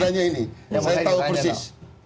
saya tahu persis